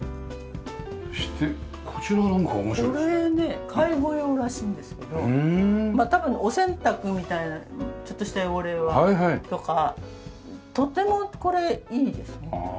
これね介護用らしいんですけどまあ多分お洗濯みたいなちょっとした汚れとかとてもこれいいですね。